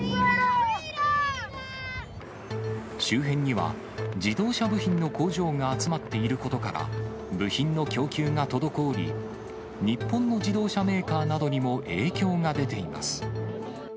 周辺には、自動車部品の工場が集まっていることから、部品の供給が滞り、日本の自動車メーカーなどにも影響が出ています。